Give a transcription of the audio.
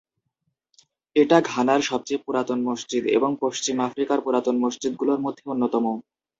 এটা ঘানার সবচেয়ে পুরাতন মসজিদ এবং পশ্চিম আফ্রিকার পুরাতন মসজিদগুলোর মধ্যে অন্যতম।